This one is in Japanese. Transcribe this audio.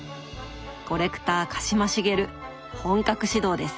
コレクター鹿島茂本格始動です。